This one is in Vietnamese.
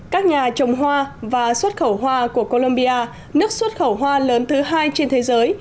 các nhà trồng hoa và xuất khẩu hoa của colombia nước xuất khẩu hoa lớn thứ hai trên thế giới